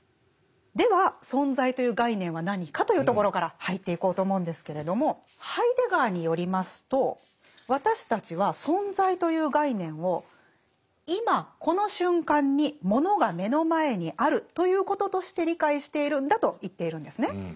では「存在」という概念は何かというところから入っていこうと思うんですけれどもハイデガーによりますと私たちは「存在」という概念を「いまこの瞬間にモノが目の前にある」ということとして理解しているんだと言っているんですね。